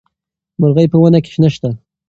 مرغۍ په ونه کې نه شته.